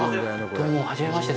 どうも、初めまして。